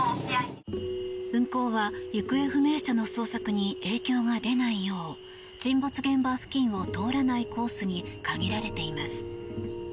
運航は行方不明者の捜索に影響が出ないよう沈没現場付近を通らないコースに限られています。